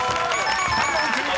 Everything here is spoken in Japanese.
３問クリア！